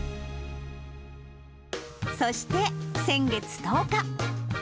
そして先月１０日。